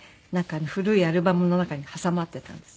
古いアルバムの中に挟まってたんです